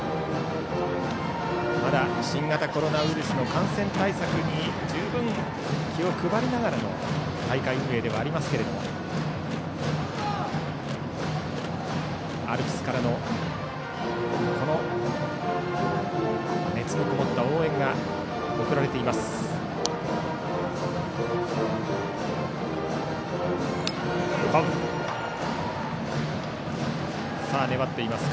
まだ新型コロナウイルスの感染対策に十分、気を配りながらの大会運営ではありますがアルプスからの熱のこもった応援が送られています。